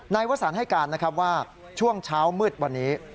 นายวัฒนาให้การว่าช่วงเช้ามืดวันนี้